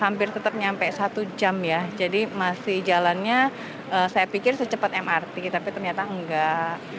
hampir tetap nyampe satu jam ya jadi masih jalannya saya pikir secepat mrt tapi ternyata enggak